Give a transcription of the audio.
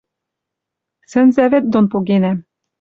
Сӹнзӓвӹд дон погенӓм.